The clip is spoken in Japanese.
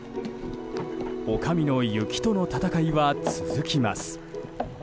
おかみの雪との闘いは続きます。